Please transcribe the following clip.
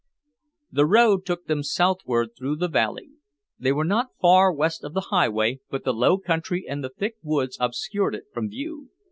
The road took them southward through the valley. They were not far west of the highway but the low country and the thick woods obscured it from view.